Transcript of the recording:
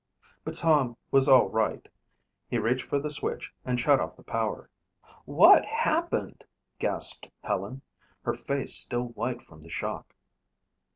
But Tom was all right. He reached for the switch and shut off the power. "What happened?" gasped Helen, her face still white from the shock.